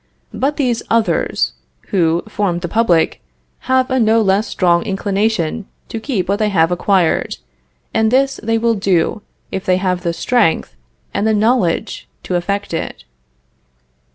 But these others, who form the public, have a no less strong inclination to keep what they have acquired; and this they will do, if they have the strength and the knowledge to effect it.